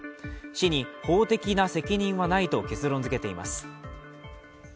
市に法的な責任はないと結論づけています。